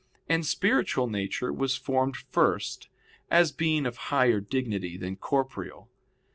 And spiritual nature was formed first, as being of higher dignity than corporeal.